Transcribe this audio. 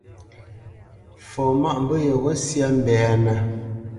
Fɔ mâʼ mbə̂ yeghó syâ mbɛ́nə̄.